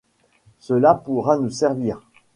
Cela pourra nous servir